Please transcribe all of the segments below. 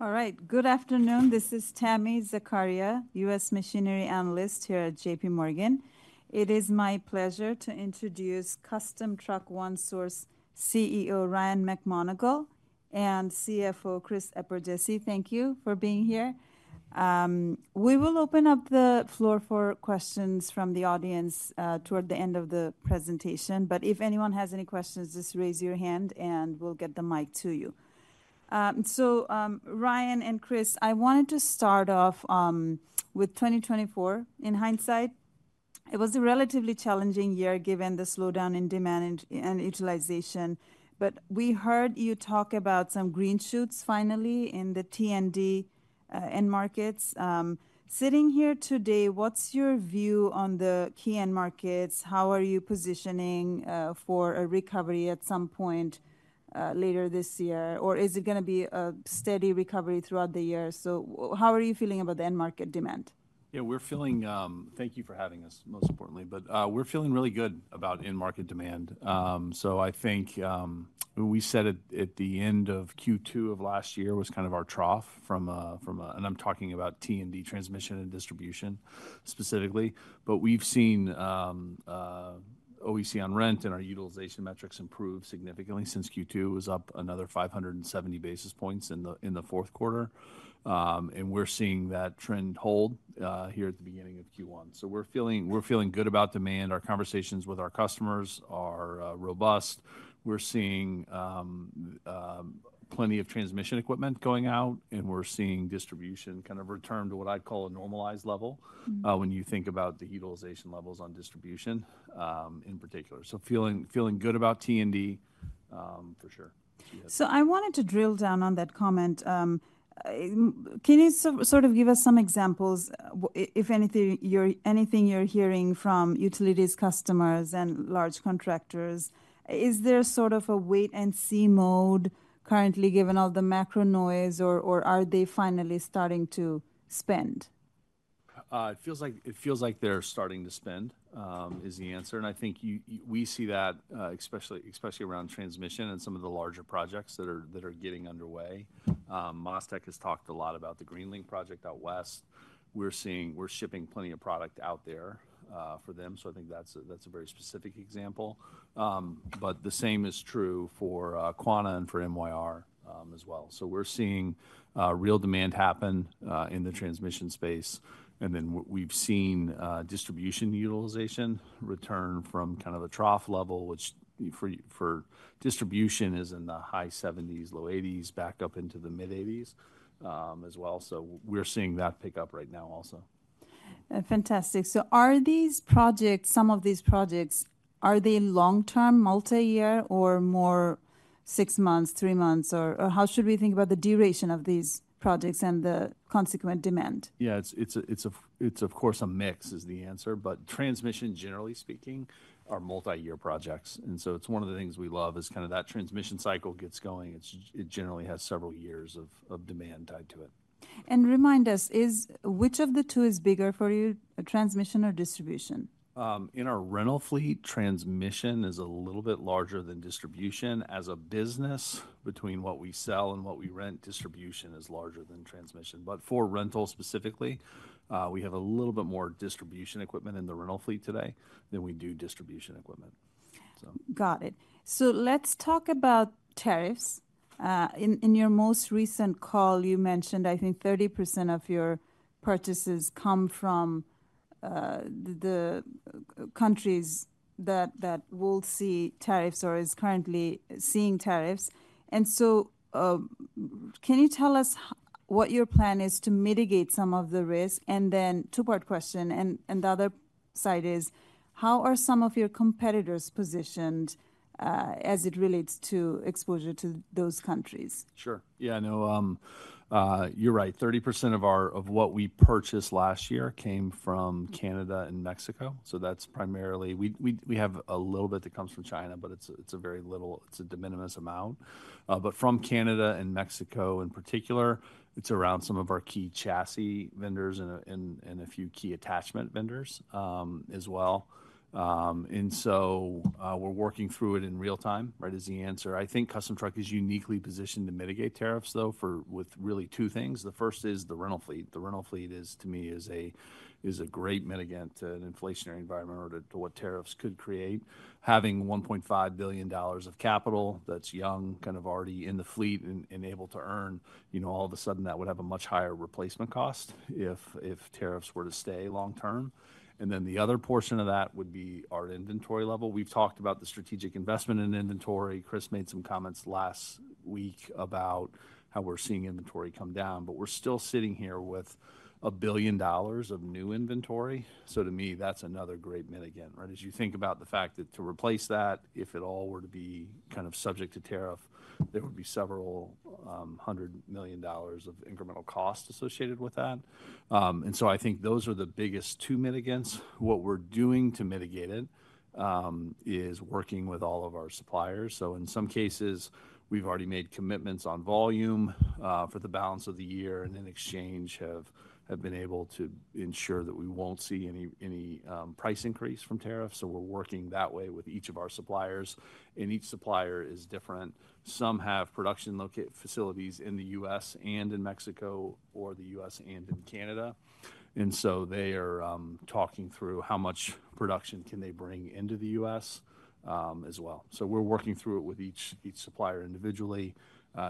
All right. Good afternoon. This is Tami Zakaria, U.S. Machinery Analyst here at JPMorgan. It is my pleasure to introduce Custom Truck One Source CEO Ryan McMonagle and CFO Chris Eperjesy. Thank you for being here. We will open up the floor for questions from the audience toward the end of the presentation. If anyone has any questions, just raise your hand and we'll get the mic to you. Ryan and Chris, I wanted to start off with 2024. In hindsight, it was a relatively challenging year given the slowdown in demand and utilization. We heard you talk about some green shoots finally in the T&D end markets. Sitting here today, what's your view on the key end markets? How are you positioning for a recovery at some point later this year? Is it going to be a steady recovery throughout the year? How are you feeling about the end market demand? Yeah, we're feeling—thank you for having us, most importantly—but we're feeling really good about end market demand. I think we said at the end of Q2 of last year was kind of our trough from—and I'm talking about T&D transmission and distribution specifically—but we've seen OEC on rent and our utilization metrics improve significantly since Q2 was up another 570 basis points in the fourth quarter. We're seeing that trend hold here at the beginning of Q1. We're feeling good about demand. Our conversations with our customers are robust. We're seeing plenty of transmission equipment going out, and we're seeing distribution kind of return to what I'd call a normalized level when you think about the utilization levels on distribution in particular. Feeling good about T&D, for sure. I wanted to drill down on that comment. Can you sort of give us some examples, if anything, you're hearing from utilities customers and large contractors? Is there sort of a wait-and-see mode currently given all the macro noise, or are they finally starting to spend? It feels like they're starting to spend is the answer. I think we see that especially around transmission and some of the larger projects that are getting underway. MasTec has talked a lot about the Greenlink project out west. We're shipping plenty of product out there for them. I think that's a very specific example. The same is true for Quanta and for MYR as well. We're seeing real demand happen in the transmission space. We have seen distribution utilization return from kind of a trough level, which for distribution is in the high 70s, low 80s, back up into the mid 80s as well. We're seeing that pick up right now also. Fantastic. Are these projects, some of these projects, are they long-term, multi-year, or more six months, three months? How should we think about the duration of these projects and the consequent demand? Yeah, it's of course a mix is the answer. Transmission, generally speaking, are multi-year projects. It's one of the things we love is kind of that transmission cycle gets going. It generally has several years of demand tied to it. Remind us, which of the two is bigger for you, transmission or distribution? In our rental fleet, transmission is a little bit larger than distribution. As a business, between what we sell and what we rent, distribution is larger than transmission. For rental specifically, we have a little bit more transmission equipment in the rental fleet today than we do distribution equipment. Got it. Let's talk about tariffs. In your most recent call, you mentioned, I think, 30% of your purchases come from the countries that will see tariffs or are currently seeing tariffs. Can you tell us what your plan is to mitigate some of the risk? Two-part question. The other side is, how are some of your competitors positioned as it relates to exposure to those countries? Sure. Yeah, no, you're right. 30% of what we purchased last year came from Canada and Mexico. That's primarily—we have a little bit that comes from China, but it's a very little, it's a de minimis amount. From Canada and Mexico in particular, it's around some of our key chassis vendors and a few key attachment vendors as well. We're working through it in real time, right, is the answer. I think Custom Truck is uniquely positioned to mitigate tariffs, though, with really two things. The first is the rental fleet. The rental fleet, to me, is a great mitigant to an inflationary environment or to what tariffs could create. Having $1.5 billion of capital that's young, kind of already in the fleet and able to earn, all of a sudden, that would have a much higher replacement cost if tariffs were to stay long-term. The other portion of that would be our inventory level. We've talked about the strategic investment in inventory. Chris made some comments last week about how we're seeing inventory come down. We're still sitting here with $1 billion of new inventory. To me, that's another great mitigant, right? You think about the fact that to replace that, if it all were to be kind of subject to tariff, there would be several hundred million dollars of incremental cost associated with that. I think those are the biggest two mitigants. What we're doing to mitigate it is working with all of our suppliers. In some cases, we've already made commitments on volume for the balance of the year and in exchange have been able to ensure that we won't see any price increase from tariffs. We're working that way with each of our suppliers. Each supplier is different. Some have production facilities in the U.S. and in Mexico or the U.S. and in Canada. They are talking through how much production can they bring into the U.S. as well. We're working through it with each supplier individually.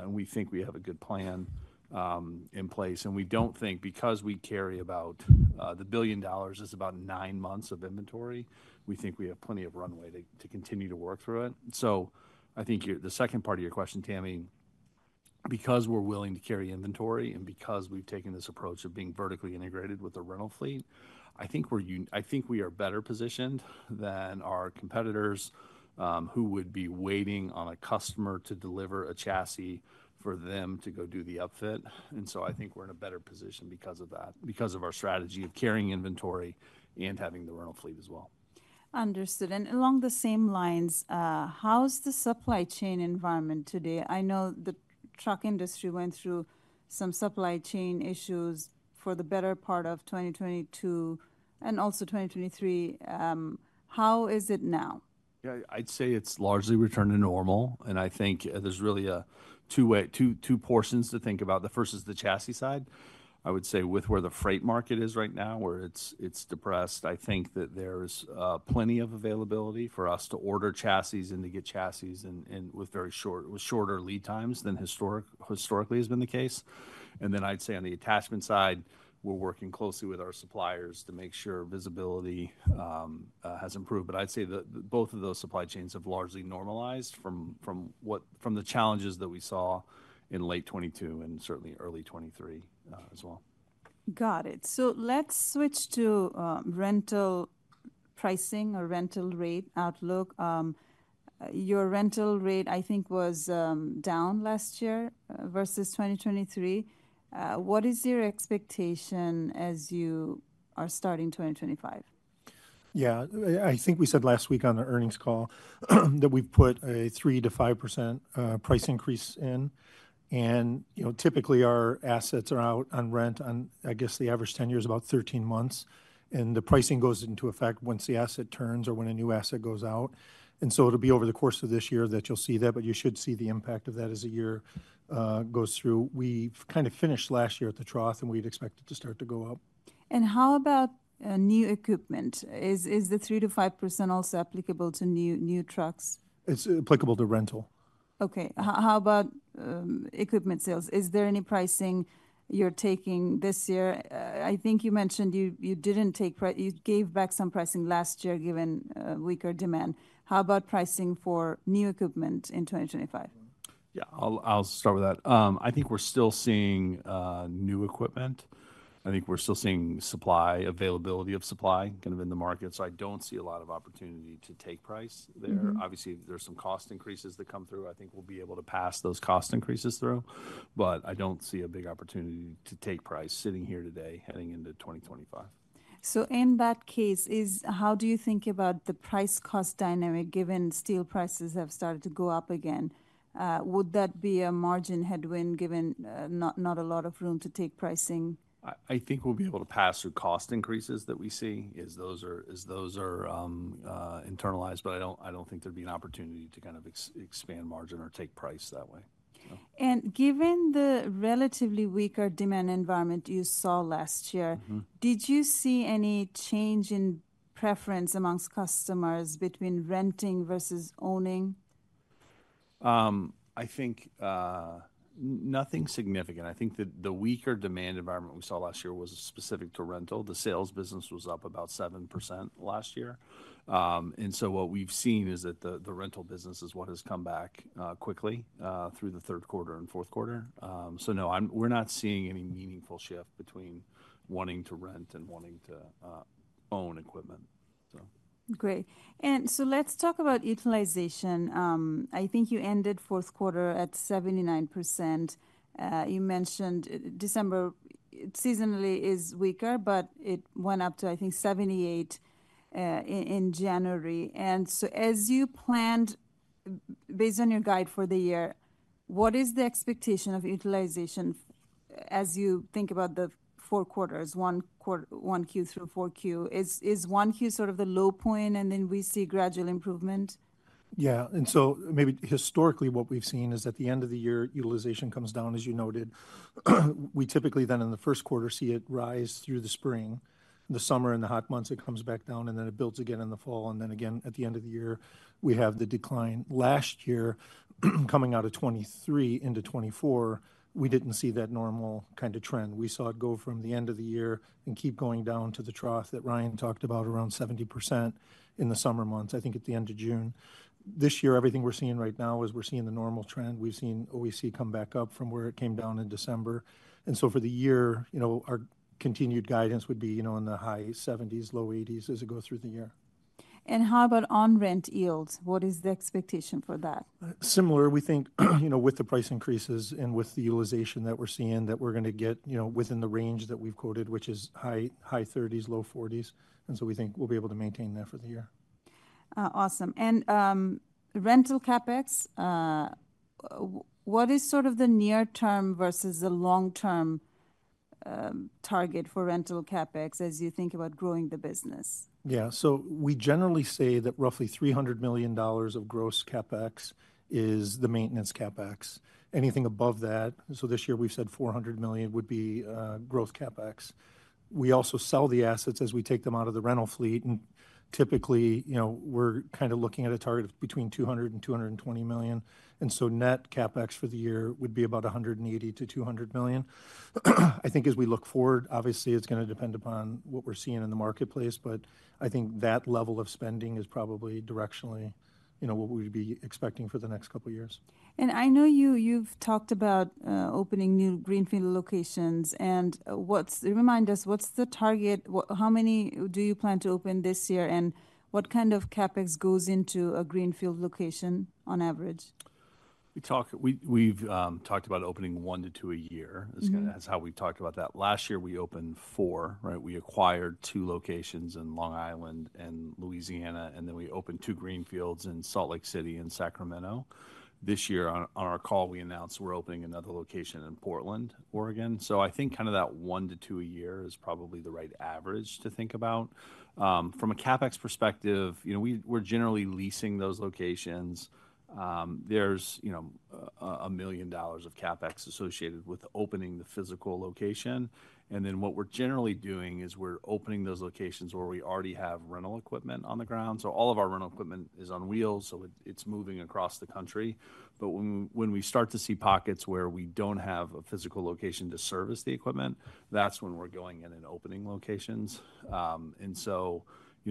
We think we have a good plan in place. We do not think, because we carry about $1 billion, it's about nine months of inventory. We think we have plenty of runway to continue to work through it. I think the second part of your question, Tami, because we're willing to carry inventory and because we've taken this approach of being vertically integrated with the rental fleet, I think we are better positioned than our competitors who would be waiting on a customer to deliver a chassis for them to go do the upfit. I think we're in a better position because of that, because of our strategy of carrying inventory and having the rental fleet as well. Understood. Along the same lines, how's the supply chain environment today? I know the truck industry went through some supply chain issues for the better part of 2022 and also 2023. How is it now? Yeah, I'd say it's largely returned to normal. I think there's really two portions to think about. The first is the chassis side. I would say with where the freight market is right now, where it's depressed, I think that there's plenty of availability for us to order chassis and to get chassis with shorter lead times than historically has been the case. I'd say on the attachment side, we're working closely with our suppliers to make sure visibility has improved. I'd say that both of those supply chains have largely normalized from the challenges that we saw in late 2022 and certainly early 2023 as well. Got it. Let's switch to rental pricing or rental rate outlook. Your rental rate, I think, was down last year versus 2023. What is your expectation as you are starting 2025? Yeah, I think we said last week on the earnings call that we've put a 3-5% price increase in. Typically, our assets are out on rent. I guess the average tenure is about 13 months. The pricing goes into effect once the asset turns or when a new asset goes out. It will be over the course of this year that you'll see that. You should see the impact of that as the year goes through. We kind of finished last year at the trough, and we'd expect it to start to go up. How about new equipment? Is the 3-5% also applicable to new trucks? It's applicable to rental. Okay. How about equipment sales? Is there any pricing you're taking this year? I think you mentioned you didn't take price; you gave back some pricing last year given weaker demand. How about pricing for new equipment in 2025? Yeah, I'll start with that. I think we're still seeing new equipment. I think we're still seeing supply, availability of supply kind of in the market. I don't see a lot of opportunity to take price there. Obviously, there's some cost increases that come through. I think we'll be able to pass those cost increases through. I don't see a big opportunity to take price sitting here today heading into 2025. In that case, how do you think about the price-cost dynamic given steel prices have started to go up again? Would that be a margin headwind given not a lot of room to take pricing? I think we'll be able to pass through cost increases that we see as those are internalized. I don't think there'd be an opportunity to kind of expand margin or take price that way. Given the relatively weaker demand environment you saw last year, did you see any change in preference amongst customers between renting versus owning? I think nothing significant. I think the weaker demand environment we saw last year was specific to rental. The sales business was up about 7% last year. What we've seen is that the rental business is what has come back quickly through the third quarter and fourth quarter. No, we're not seeing any meaningful shift between wanting to rent and wanting to own equipment. Great. Let's talk about utilization. I think you ended fourth quarter at 79%. You mentioned December seasonally is weaker, but it went up to, I think, 78% in January. As you planned, based on your guide for the year, what is the expectation of utilization as you think about the four quarters, 1Q through 4Q? Is 1Q sort of the low point, and then we see gradual improvement? Yeah. Maybe historically, what we've seen is at the end of the year, utilization comes down, as you noted. We typically then in the first quarter see it rise through the spring. The summer and the hot months, it comes back down, and it builds again in the fall. At the end of the year, we have the decline. Last year, coming out of 2023 into 2024, we did not see that normal kind of trend. We saw it go from the end of the year and keep going down to the trough that Ryan talked about around 70% in the summer months, I think at the end of June. This year, everything we are seeing right now is we are seeing the normal trend. We have seen OEC come back up from where it came down in December. For the year, our continued guidance would be in the high 70s-low 80s as it goes through the year. How about on-rent yields? What is the expectation for that? Similar, we think with the price increases and with the utilization that we're seeing, that we're going to get within the range that we've quoted, which is high 30s-low 40s%. We think we'll be able to maintain that for the year. Awesome. Rental CapEx, what is sort of the near-term versus the long-term target for rental CapEx as you think about growing the business? Yeah. We generally say that roughly $300 million of gross CapEx is the maintenance CapEx. Anything above that, this year we've said $400 million would be growth CapEx. We also sell the assets as we take them out of the rental fleet. Typically, we're kind of looking at a target of between $200 million and $220 million. Net CapEx for the year would be about $180 million-$200 million. I think as we look forward, obviously, it's going to depend upon what we're seeing in the marketplace. I think that level of spending is probably directionally what we would be expecting for the next couple of years. I know you've talked about opening new greenfield locations. Remind us, what's the target? How many do you plan to open this year? What kind of CapEx goes into a greenfield location on average? We've talked about opening one to two a year. That's how we talked about that. Last year, we opened four, right? We acquired two locations in Long Island and Louisiana. We opened two greenfields in Salt Lake City and Sacramento. This year, on our call, we announced we're opening another location in Portland, Oregon. I think kind of that one to two a year is probably the right average to think about. From a CapEx perspective, we're generally leasing those locations. There's $1 million of CapEx associated with opening the physical location. What we're generally doing is we're opening those locations where we already have rental equipment on the ground. All of our rental equipment is on wheels, so it's moving across the country. When we start to see pockets where we do not have a physical location to service the equipment, that is when we are going in and opening locations.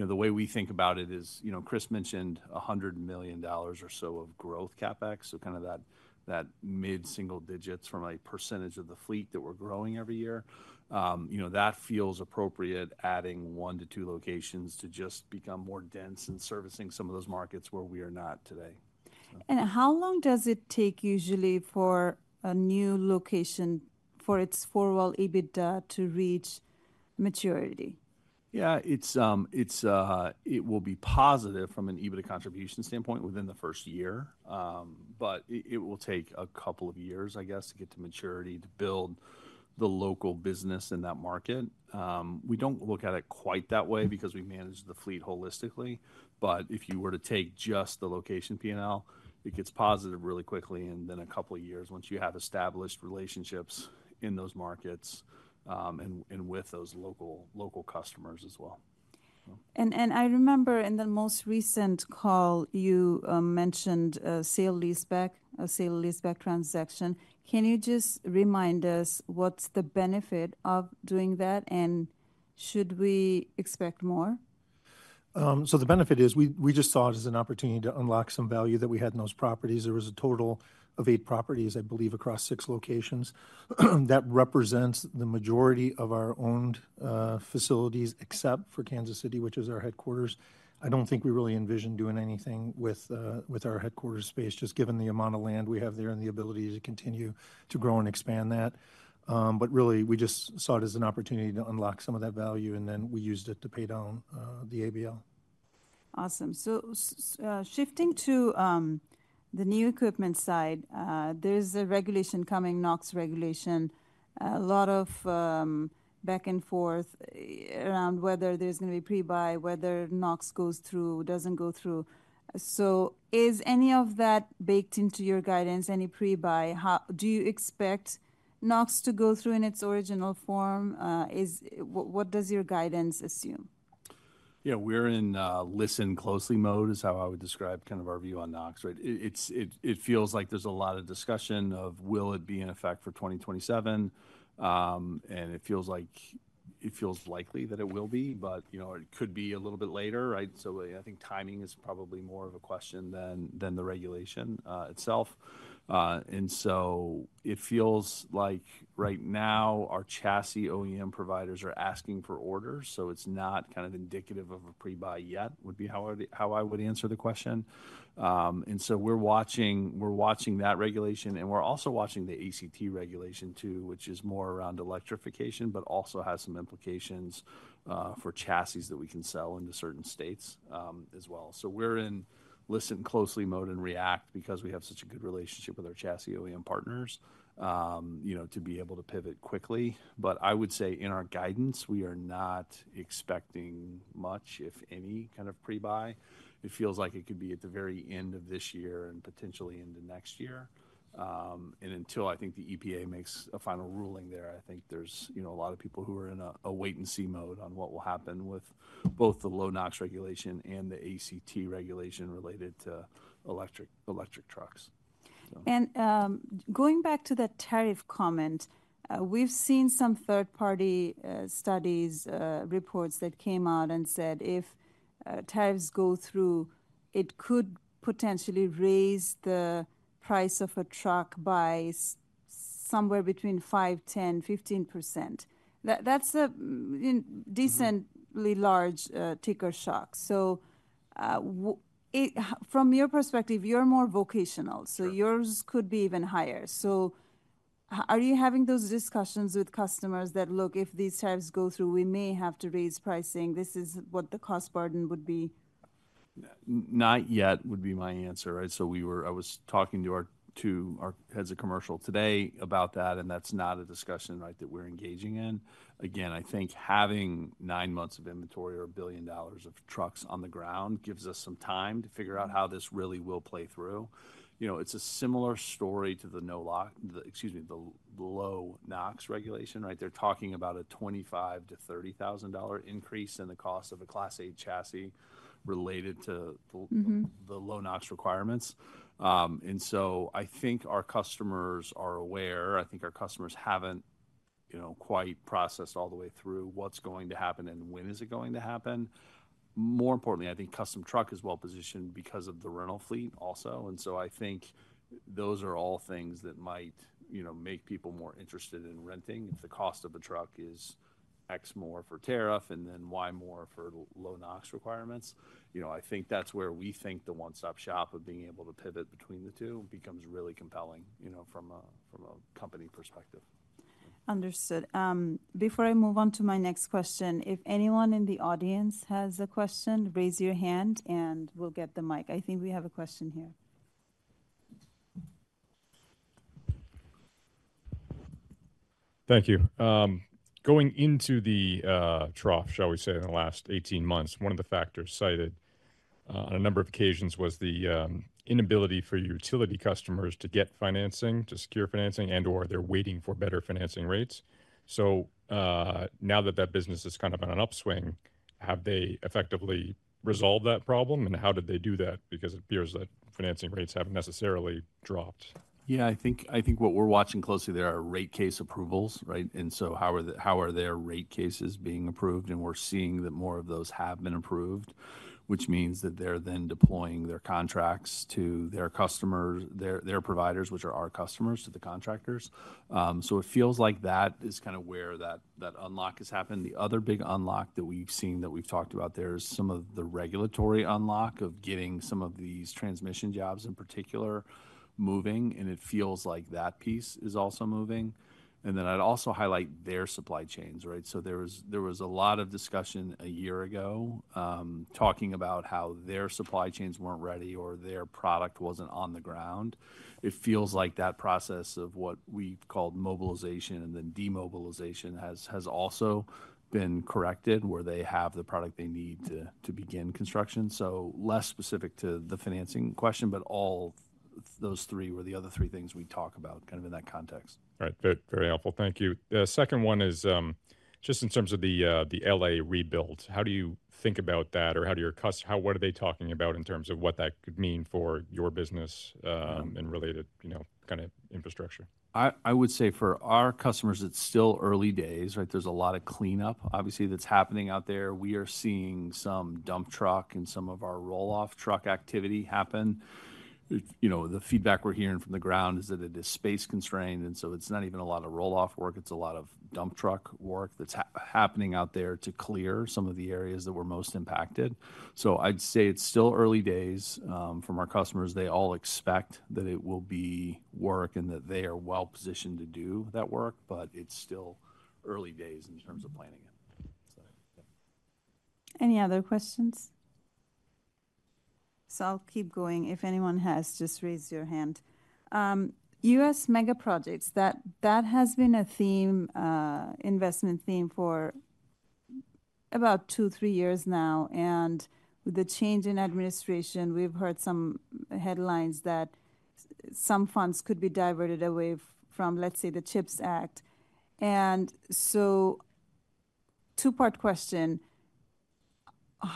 The way we think about it is, Chris mentioned $100 million or so of growth CapEx. So kind of that mid-single digits from a percentage of the fleet that we are growing every year. That feels appropriate, adding one to two locations to just become more dense and servicing some of those markets where we are not today. How long does it take usually for a new location for its four-wall EBITDA to reach maturity? Yeah, it will be positive from an EBITDA contribution standpoint within the first year. It will take a couple of years, I guess, to get to maturity to build the local business in that market. We do not look at it quite that way because we manage the fleet holistically. If you were to take just the location P&L, it gets positive really quickly. In a couple of years, once you have established relationships in those markets and with those local customers as well. I remember in the most recent call, you mentioned a sale lease-back transaction. Can you just remind us what's the benefit of doing that, and should we expect more? The benefit is we just saw it as an opportunity to unlock some value that we had in those properties. There was a total of eight properties, I believe, across six locations. That represents the majority of our owned facilities, except for Kansas City, which is our headquarters. I do not think we really envision doing anything with our headquarters space, just given the amount of land we have there and the ability to continue to grow and expand that. We just saw it as an opportunity to unlock some of that value, and then we used it to pay down the ABL. Awesome. Shifting to the new equipment side, there is a regulation coming, NOx regulation. A lot of back and forth around whether there is going to be pre-buy, whether NOx goes through, does not go through. Is any of that baked into your guidance, any pre-buy? Do you expect NOx to go through in its original form? What does your guidance assume? Yeah, we're in listen closely mode is how I would describe kind of our view on NOx, right? It feels like there's a lot of discussion of will it be in effect for 2027. It feels like it feels likely that it will be, but it could be a little bit later, right? I think timing is probably more of a question than the regulation itself. It feels like right now our chassis OEM providers are asking for orders. It's not kind of indicative of a pre-buy yet would be how I would answer the question. We're watching that regulation. We're also watching the ACT regulation too, which is more around electrification, but also has some implications for chassis that we can sell into certain states as well. We're in listen closely mode and react because we have such a good relationship with our chassis OEM partners to be able to pivot quickly. I would say in our guidance, we are not expecting much, if any, kind of pre-buy. It feels like it could be at the very end of this year and potentially into next year. Until I think the EPA makes a final ruling there, I think there's a lot of people who are in a wait-and-see mode on what will happen with both the low NOx regulation and the ACT regulation related to electric trucks. Going back to the tariff comment, we've seen some third-party studies reports that came out and said if tariffs go through, it could potentially raise the price of a truck by somewhere between 5%, 10%, 15%. That's a decently large ticker shock. From your perspective, you're more vocational, so yours could be even higher. Are you having those discussions with customers that, look, if these tariffs go through, we may have to raise pricing? This is what the cost burden would be? Not yet would be my answer, right? I was talking to our heads of commercial today about that, and that's not a discussion that we're engaging in. Again, I think having nine months of inventory or a billion dollars of trucks on the ground gives us some time to figure out how this really will play through. It's a similar story to the low NOx regulation, right? They're talking about a $25,000-$30,000 increase in the cost of a Class 8 chassis related to the low NOx requirements. I think our customers are aware. I think our customers haven't quite processed all the way through what's going to happen and when is it going to happen. More importantly, I think Custom Truck is well positioned because of the rental fleet also. I think those are all things that might make people more interested in renting if the cost of the truck is X more for tariff and then Y more for low NOx requirements. I think that's where we think the one-stop shop of being able to pivot between the two becomes really compelling from a company perspective. Understood. Before I move on to my next question, if anyone in the audience has a question, raise your hand and we'll get the mic. I think we have a question here. Thank you. Going into the trough, shall we say, in the last 18 months, one of the factors cited on a number of occasions was the inability for utility customers to get financing to secure financing and/or they're waiting for better financing rates. Now that that business is kind of on an upswing, have they effectively resolved that problem? How did they do that? Because it appears that financing rates haven't necessarily dropped. Yeah, I think what we're watching closely there are rate case approvals, right? How are their rate cases being approved? We're seeing that more of those have been approved, which means that they're then deploying their contracts to their customers, their providers, which are our customers, to the contractors. It feels like that is kind of where that unlock has happened. The other big unlock that we've seen that we've talked about there is some of the regulatory unlock of getting some of these transmission jobs in particular moving. It feels like that piece is also moving. I'd also highlight their supply chains, right? There was a lot of discussion a year ago talking about how their supply chains weren't ready or their product wasn't on the ground. It feels like that process of what we've called mobilization and then demobilization has also been corrected where they have the product they need to begin construction. Less specific to the financing question, but all those three were the other three things we talk about kind of in that context. All right. Very helpful. Thank you. The second one is just in terms of the L.A. rebuild. How do you think about that? Or what are they talking about in terms of what that could mean for your business and related kind of infrastructure? I would say for our customers, it's still early days, right? There's a lot of cleanup, obviously, that's happening out there. We are seeing some dump truck and some of our roll-off truck activity happen. The feedback we're hearing from the ground is that it is space constrained. It's not even a lot of roll-off work. It's a lot of dump truck work that's happening out there to clear some of the areas that were most impacted. I would say it's still early days from our customers. They all expect that it will be work and that they are well positioned to do that work. It's still early days in terms of planning it. Any other questions? I'll keep going. If anyone has, just raise your hand. U.S. mega projects, that has been an investment theme for about two, three years now. With the change in administration, we've heard some headlines that some funds could be diverted away from, let's say, the CHIPS Act. Two-part question.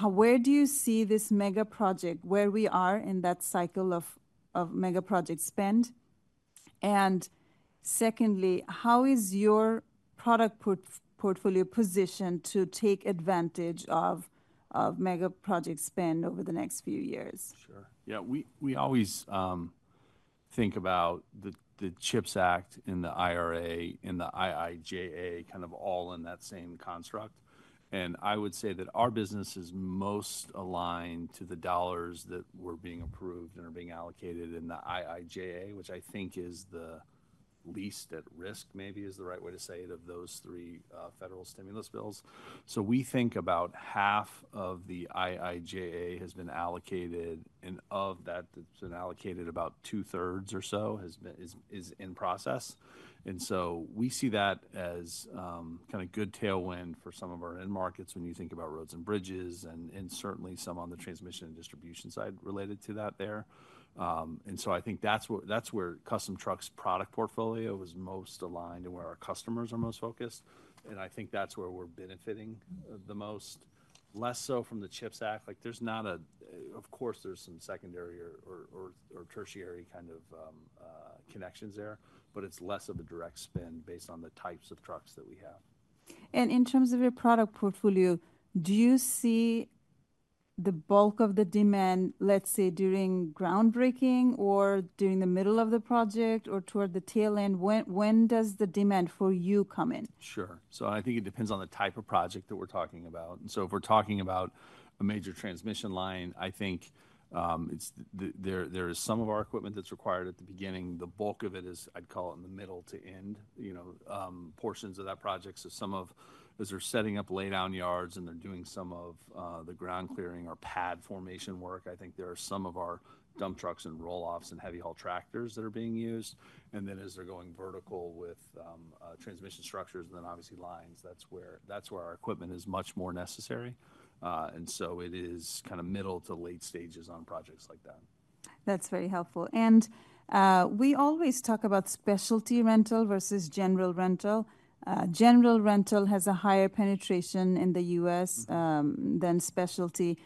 Where do you see this mega project, where we are in that cycle of mega project spend? Secondly, how is your product portfolio positioned to take advantage of mega project spend over the next few years? Sure. Yeah, we always think about the CHIPS Act and the IRA and the IIJA kind of all in that same construct. I would say that our business is most aligned to the dollars that were being approved and are being allocated in the IIJA, which I think is the least at risk, maybe is the right way to say it, of those three federal stimulus bills. We think about half of the IIJA has been allocated, and of that, it's been allocated about two-thirds or so is in process. We see that as kind of good tailwind for some of our end markets when you think about roads and bridges and certainly some on the transmission and distribution side related to that there. I think that's where Custom Truck's product portfolio is most aligned and where our customers are most focused. I think that's where we're benefiting the most. Less so from the CHIPS Act. There's not a, of course, there's some secondary or tertiary kind of connections there, but it's less of the direct spend based on the types of trucks that we have. In terms of your product portfolio, do you see the bulk of the demand, let's say, during groundbreaking or during the middle of the project or toward the tail end? When does the demand for you come in? Sure. I think it depends on the type of project that we're talking about. If we're talking about a major transmission line, I think there is some of our equipment that's required at the beginning. The bulk of it is, I'd call it, in the middle to end portions of that project. Some of, as they're setting up lay-down yards and they're doing some of the ground clearing or pad formation work, I think there are some of our dump trucks and roll-off trucks and heavy haul tractors that are being used. As they're going vertical with transmission structures and then obviously lines, that's where our equipment is much more necessary. It is kind of middle to late stages on projects like that. That's very helpful. We always talk about specialty rental versus general rental. General rental has a higher penetration in the U.S. than specialty.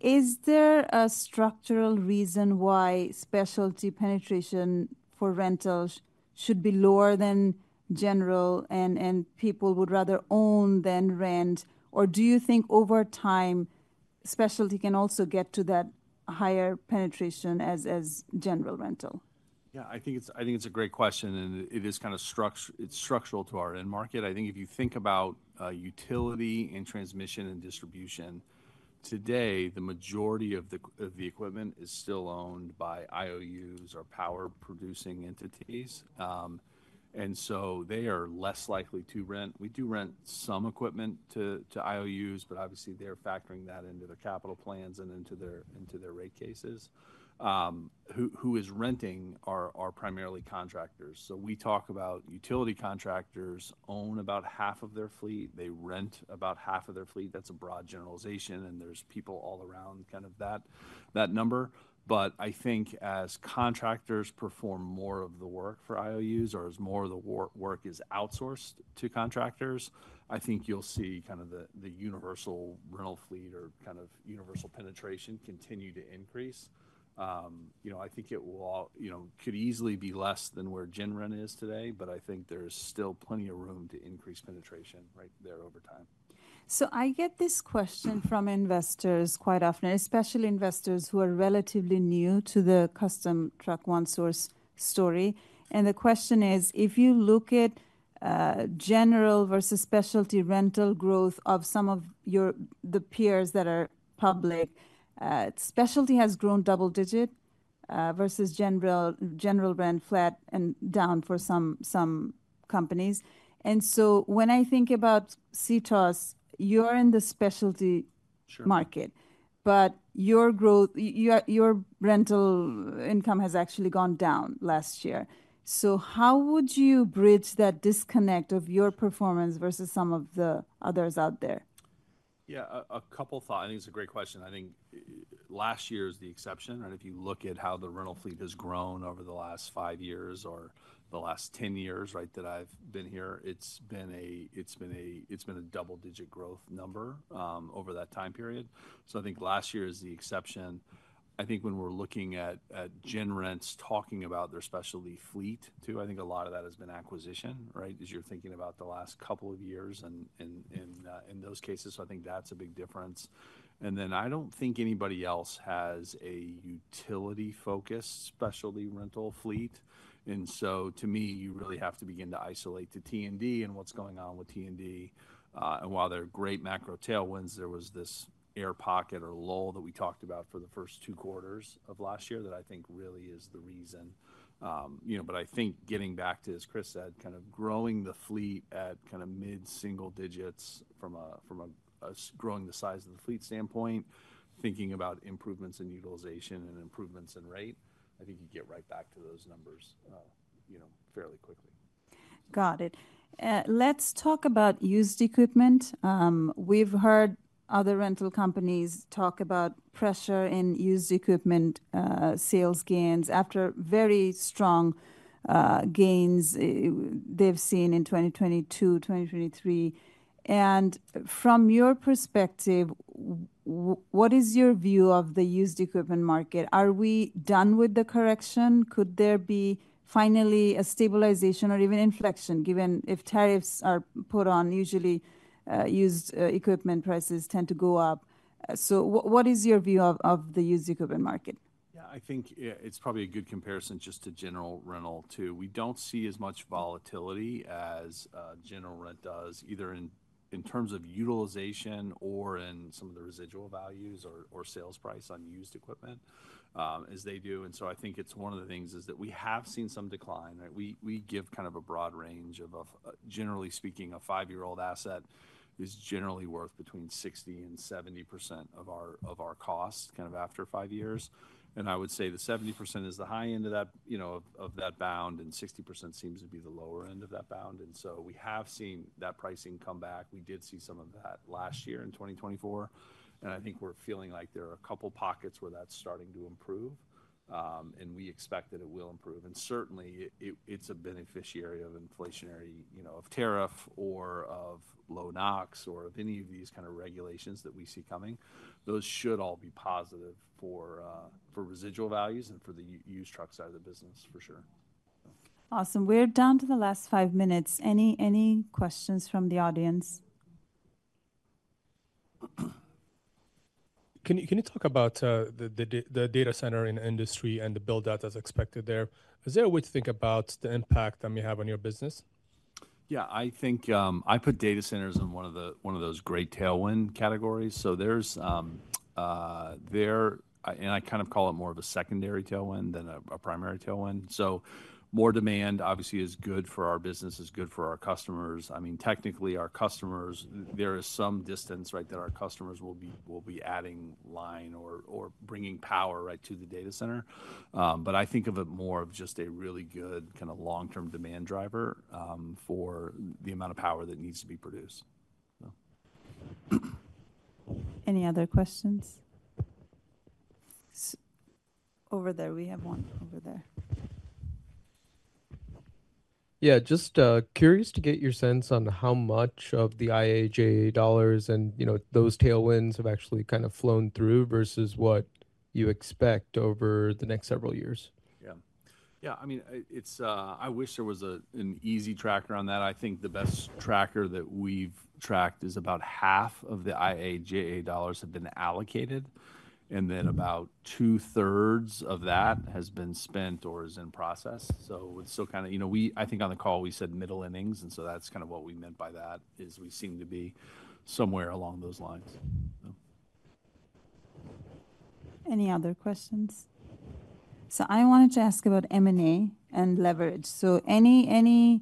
Is there a structural reason why specialty penetration for rentals should be lower than general and people would rather own than rent? Or do you think over time, specialty can also get to that higher penetration as general rental? Yeah, I think it's a great question. It is kind of structural to our end market. I think if you think about utility and transmission and distribution, today, the majority of the equipment is still owned by IOUs or power-producing entities. They are less likely to rent. We do rent some equipment to IOUs, but obviously, they're factoring that into their capital plans and into their rate cases. Who is renting are primarily contractors. We talk about utility contractors own about half of their fleet. They rent about half of their fleet. That's a broad generalization. There's people all around kind of that number. I think as contractors perform more of the work for IOUs or as more of the work is outsourced to contractors, I think you'll see kind of the universal rental fleet or kind of universal penetration continue to increase. I think it could easily be less than where gen rent is today, but I think there's still plenty of room to increase penetration right there over time. I get this question from investors quite often, especially investors who are relatively new to the Custom Truck One Source story. The question is, if you look at general versus specialty rental growth of some of the peers that are public, specialty has grown double-digit versus general rent flat and down for some companies. When I think about CTOS, you're in the specialty market, but your rental income has actually gone down last year. How would you bridge that disconnect of your performance versus some of the others out there? Yeah, a couple thoughts. I think it's a great question. I think last year is the exception, right? If you look at how the rental fleet has grown over the last five years or the last 10 years, right, that I've been here, it's been a double-digit growth number over that time period. I think last year is the exception. I think when we're looking at gen rents talking about their specialty fleet too, I think a lot of that has been acquisition, right, as you're thinking about the last couple of years in those cases. I think that's a big difference. I don't think anybody else has a utility-focused specialty rental fleet. To me, you really have to begin to isolate to T&D and what's going on with T&D. While there are great macro tailwinds, there was this air pocket or lull that we talked about for the first two quarters of last year that I think really is the reason. I think getting back to, as Chris said, kind of growing the fleet at kind of mid-single digits from a growing the size of the fleet standpoint, thinking about improvements in utilization and improvements in rate, I think you get right back to those numbers fairly quickly. Got it. Let's talk about used equipment. We've heard other rental companies talk about pressure in used equipment sales gains after very strong gains they've seen in 2022, 2023. From your perspective, what is your view of the used equipment market? Are we done with the correction? Could there be finally a stabilization or even inflection given if tariffs are put on? Usually, used equipment prices tend to go up. What is your view of the used equipment market? Yeah, I think it's probably a good comparison just to general rental too. We don't see as much volatility as general rent does, either in terms of utilization or in some of the residual values or sales price on used equipment as they do. I think it's one of the things is that we have seen some decline. We give kind of a broad range of, generally speaking, a five-year-old asset is generally worth between 60% and 70% of our costs kind of after five years. I would say the 70% is the high end of that bound and 60% seems to be the lower end of that bound. We have seen that pricing come back. We did see some of that last year in 2024. I think we're feeling like there are a couple pockets where that's starting to improve. We expect that it will improve. Certainly, it is a beneficiary of inflationary, of tariff, or of low NOx, or of any of these kind of regulations that we see coming. Those should all be positive for residual values and for the used truck side of the business, for sure. Awesome. We're down to the last five minutes. Any questions from the audience? Can you talk about the data center in the industry and the build-out as expected there? Is there a way to think about the impact that may have on your business? Yeah, I think I put data centers in one of those great tailwind categories. There, and I kind of call it more of a secondary tailwind than a primary tailwind. More demand, obviously, is good for our business, is good for our customers. I mean, technically, our customers, there is some distance, right, that our customers will be adding line or bringing power right to the data center. I think of it more of just a really good kind of long-term demand driver for the amount of power that needs to be produced. Any other questions? Over there, we have one over there. Yeah, just curious to get your sense on how much of the IIJA dollars and those tailwinds have actually kind of flown through versus what you expect over the next several years. Yeah. Yeah, I mean, I wish there was an easy tracker on that. I think the best tracker that we've tracked is about half of the IIJA dollars have been allocated. And then about two-thirds of that has been spent or is in process. It is still kind of, I think on the call, we said middle innings. That is kind of what we meant by that is we seem to be somewhere along those lines. Any other questions? I wanted to ask about M&A and leverage. Any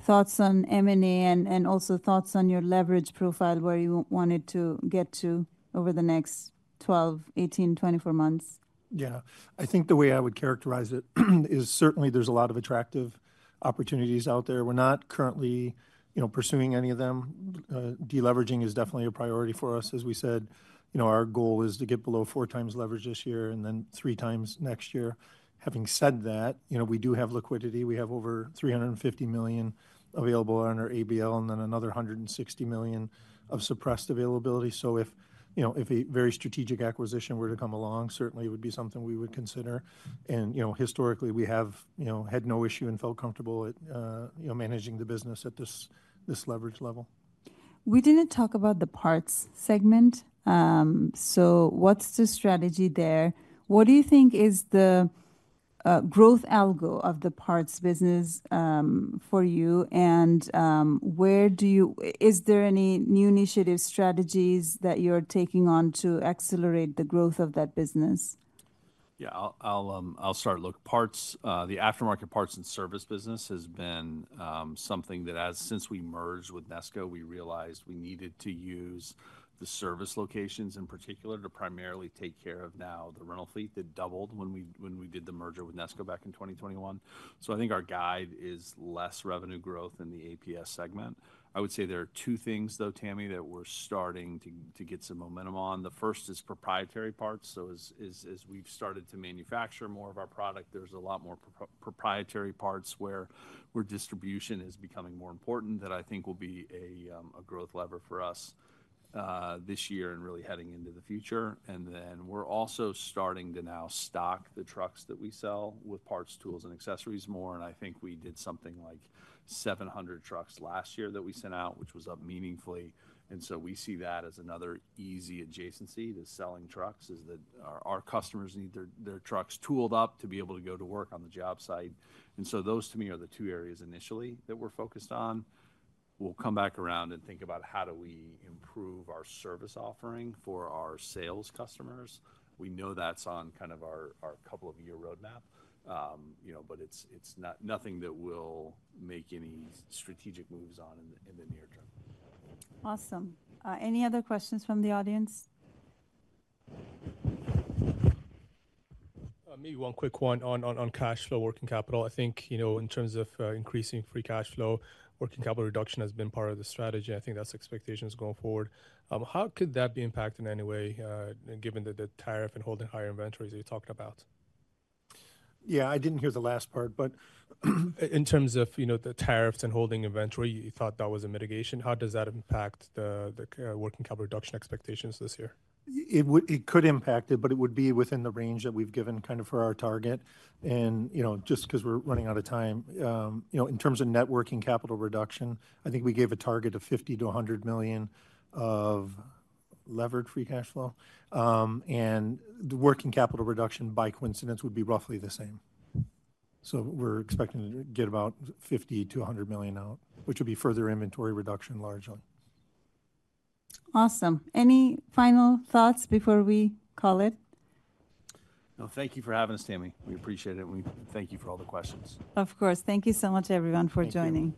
thoughts on M&A and also thoughts on your leverage profile where you wanted to get to over the next 12, 18, 24 months? Yeah, I think the way I would characterize it is certainly there's a lot of attractive opportunities out there. We're not currently pursuing any of them. Deleveraging is definitely a priority for us. As we said, our goal is to get below four times leverage this year and then three times next year. Having said that, we do have liquidity. We have over $350 million available on our ABL and then another $160 million of suppressed availability. If a very strategic acquisition were to come along, certainly it would be something we would consider. Historically, we had no issue and felt comfortable managing the business at this leverage level. We did not talk about the parts segment. What is the strategy there? What do you think is the growth algo of the parts business for you? Is there any new initiative strategies that you are taking on to accelerate the growth of that business? Yeah, I'll start. Look, parts, the aftermarket parts and service business has been something that, since we merged with Nesco, we realized we needed to use the service locations in particular to primarily take care of now the rental fleet that doubled when we did the merger with Nesco back in 2021. I think our guide is less revenue growth in the APS segment. I would say there are two things, though, Tami, that we're starting to get some momentum on. The first is proprietary parts. As we've started to manufacture more of our product, there's a lot more proprietary parts where distribution is becoming more important that I think will be a growth lever for us this year and really heading into the future. We're also starting to now stock the trucks that we sell with parts, tools, and accessories more. I think we did something like 700 trucks last year that we sent out, which was up meaningfully. We see that as another easy adjacency to selling trucks is that our customers need their trucks tooled up to be able to go to work on the job site. Those, to me, are the two areas initially that we're focused on. We'll come back around and think about how do we improve our service offering for our sales customers. We know that's on kind of our couple-of-year roadmap, but it's nothing that we'll make any strategic moves on in the near term. Awesome. Any other questions from the audience? Maybe one quick one on cash flow, working capital. I think in terms of increasing free cash flow, working capital reduction has been part of the strategy. I think that's expectations going forward. How could that be impacted in any way given the tariff and holding higher inventories that you talked about? Yeah, I didn't hear the last part, but in terms of the tariffs and holding inventory, you thought that was a mitigation. How does that impact the working capital reduction expectations this year? It could impact it, but it would be within the range that we've given kind of for our target. Just because we're running out of time, in terms of networking capital reduction, I think we gave a target of $50 million-$100 million of levered free cash flow. The working capital reduction, by coincidence, would be roughly the same. We're expecting to get about $50 million-$100 million out, which would be further inventory reduction largely. Awesome. Any final thoughts before we call it? No, thank you for having us, Tami. We appreciate it. We thank you for all the questions. Of course. Thank you so much, everyone, for joining.